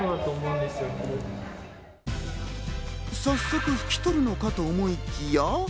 早速、拭き取るのかと思いきや。